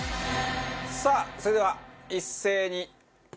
さあそれでは一斉にオープン！